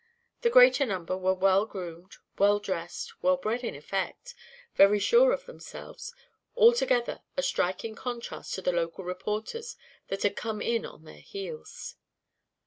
The greater number were well groomed, well dressed, well bred in effect, very sure of themselves; altogether a striking contrast to the local reporters that had come in on their heels.